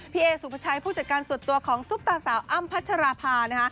เอสุภาชัยผู้จัดการส่วนตัวของซุปตาสาวอ้ำพัชราภานะคะ